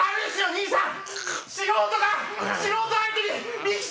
兄さん！